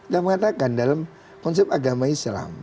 dia mengatakan dalam konsep agama islam